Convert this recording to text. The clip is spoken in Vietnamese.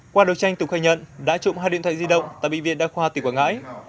qua đấu tranh tùng khai nhận đã trộm hai điện thoại di động tại bệnh viện đa khoa tỉnh quảng ngãi